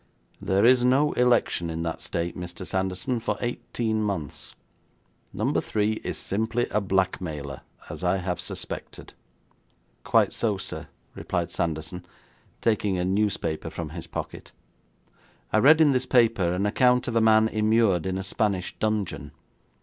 'There is no election in that State, Mr. Sanderson, for eighteen months. Number Three is simply a blackmailer, as I have suspected.' 'Quite so, sir,' replied Sanderson, taking a newspaper from his pocket. 'I read in this paper an account of a man immured in a Spanish dungeon.